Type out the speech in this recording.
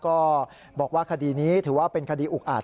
ก็บอกว่าคดีนี้ถือว่าเป็นคดีอุกอาจ